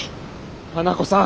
花子さん！